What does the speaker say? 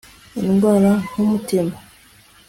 indwara nk’umutima